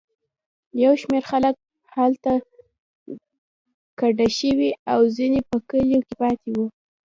یو شمېر خلک هلته کډه شوي او ځینې په کلیو کې پاتې وو.